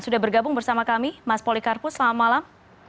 sudah bergabung bersama kami mas polikarpus selamat malam